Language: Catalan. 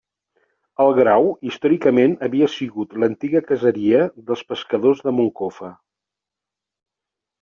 El Grau, històricament havia sigut l'antiga caseria dels pescadors de Moncofa.